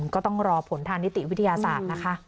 ก็ต้องรอผลทางนิติวิทยาศาสตร์นะคะ